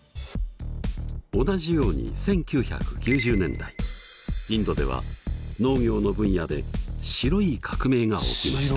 同じように１９９０年代インドでは農業の分野で「白い革命」が起きました。